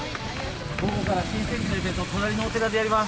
午後から新成人のイベント、隣のお寺でやります。